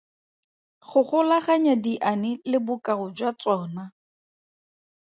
Go golaganya diane le bokao jwa tsona.